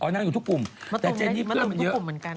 อ๋อนางอยู่ทุกกลุ่มแต่เจนนี่เพื่อนมันเยอะมัตตุมอยู่ทุกกลุ่มเหมือนกัน